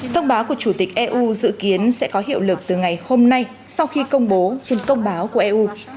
thông báo của chủ tịch eu dự kiến sẽ có hiệu lực từ ngày hôm nay sau khi công bố trên công báo của eu